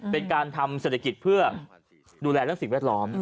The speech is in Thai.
เป็นการทำเศรษฐกิจเพื่อดูแลเรื่องสิ่งแวดล้อม